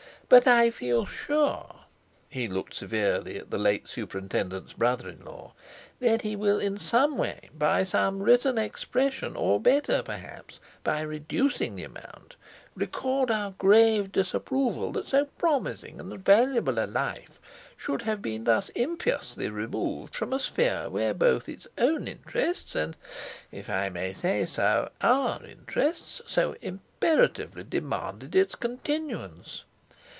But I feel sure" (he looked severely at the late superintendent's brother in law) "that he will in some way, by some written expression, or better perhaps by reducing the amount, record our grave disapproval that so promising and valuable a life should have been thus impiously removed from a sphere where both its own interests and—if I may say so—our interests so imperatively demanded its continuance.